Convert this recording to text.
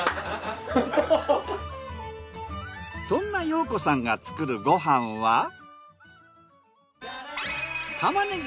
そんな洋子さんが作るご飯は。